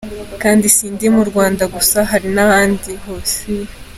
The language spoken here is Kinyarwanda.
Kandi si mu Rwanda gusa, hari n’ahandi biba.